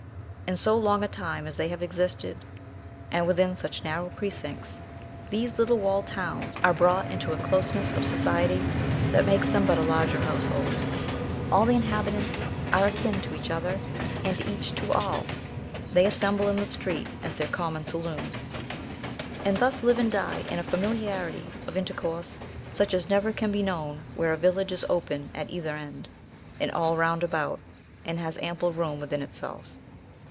In so long a time as they have existed, and within such narrow precincts, these little walled towns are brought into a closeness of society that makes them but a larger household. All the inhabitants are akin to each, and each to all; they assemble in the street as their common saloon, and thus live and die in a familiarity of intercourse, such as never can be known where a village is open at either end, and all roundabout, and has ample room within itself.